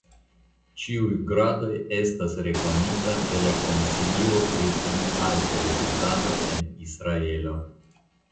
Ĉiuj gradoj estas rekonita de la konsilio pri pli alta edukado en Israelo.